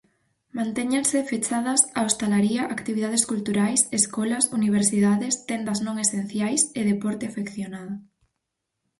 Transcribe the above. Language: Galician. Mantéñense fechadas a hostalaría, actividades culturais, escolas, universidades, tendas non esenciais e deporte afeccionado.